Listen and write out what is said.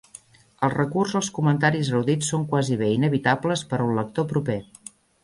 El recurs als comentaris erudits són quasi bé inevitables per a un lector proper.